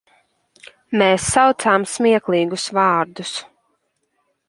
Mēs saucām smieklīgus vārdus.